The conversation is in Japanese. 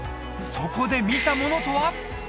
そこで見たものとは？